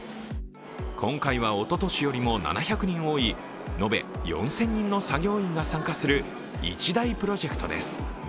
今回はおととしよりも７００人多い延べ４０００人の作業員が参加する一大プロジェクトです。